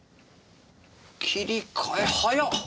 切り替え早っ！